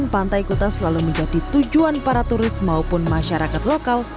pantai kuta selalu menjadi tujuan para turis maupun masyarakat lokal